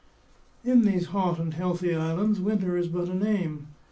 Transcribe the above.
In these hot and healthy islands winter is but a name.